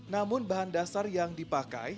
namun bahan dasar yang dipakai